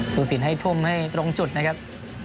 ทุศิลป์ให้ทุ่มให้ตรงจุดนะครับ